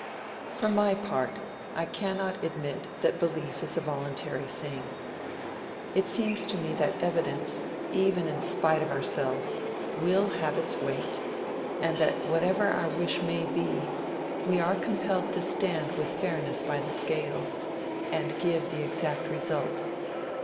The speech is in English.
For my part, I cannot admit that belief is a voluntary thing. It seems to me that evidence, even in spite of ourselves, will have its weight, and that whatever our wish may be, we are compelled to stand with fairness by the scales, and give the exact result.